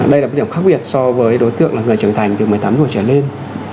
đây là một điểm khác biệt so với đối tượng là người trưởng thành từ một mươi tám tuổi trở lên